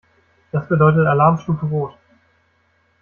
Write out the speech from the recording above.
Das bedeutet Alarmstufe Rot.